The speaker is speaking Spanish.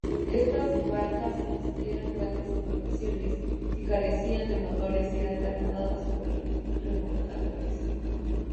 Estas barcazas eran grandes embarcaciones que carecían de motores y eran trasladadas por remolcadores.